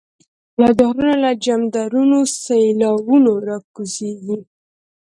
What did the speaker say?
لا دغرو له جمدرونو، سیلاوونه ر ا کوزیږی